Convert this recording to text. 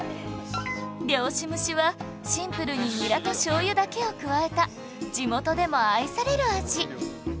漁師蒸しはシンプルにニラと醤油だけを加えた地元でも愛される味